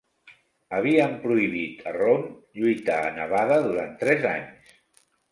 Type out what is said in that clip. Havien prohibit a Rone lluitar a Nevada durant tres anys.